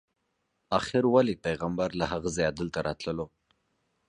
آخر ولې پیغمبر له هغه ځایه دلته راتللو.